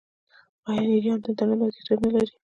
آیا ایران د انټرنیټ محدودیتونه نلري؟